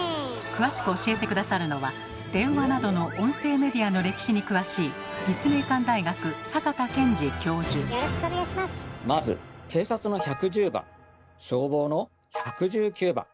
詳しく教えて下さるのは電話などの音声メディアの歴史に詳しいまず警察の１１０番消防の１１９番。